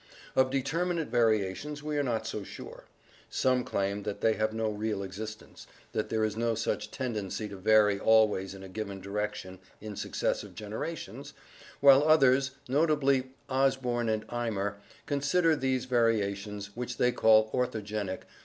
Of determinate variations we are not so sure; some claim that they have no real existence, that there is no such tendency to vary always in a given direction in successive generations, while others, notably Osbom and Eimer, consider these variations, which they call or thogenetic (Gr.